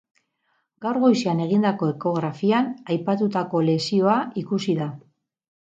Gaur goizean egindako ekografian aipatutako lesioa ikusi da.